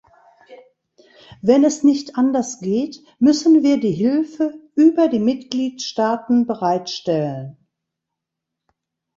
Wenn es nicht anders geht, müssen wir die Hilfe über die Mitgliedstaaten bereit stellen.